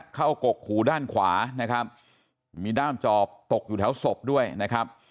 กกหูด้านขวานะครับมีด้ามจอบตกอยู่แถวศพด้วยนะครับ